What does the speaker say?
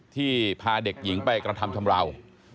พาเด็กหญิงไปกระทำชำราว